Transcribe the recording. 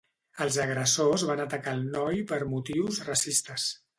Els agressors van atacar al noi per motius racistes